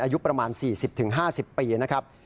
อายุประมาณ๔๐๕๐ปีนะครับ